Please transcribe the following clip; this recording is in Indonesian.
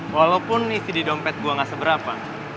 walaupun ngisi di dompet gue gak seberapa